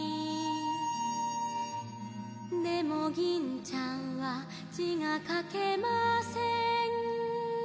「でも銀ちゃんは字が書けません」